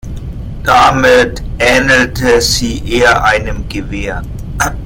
Damit ähnelte sie eher einem Gewehr.